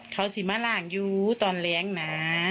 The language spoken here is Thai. เขาสิมะร่างอยู่ตอนเลี้ยงนะ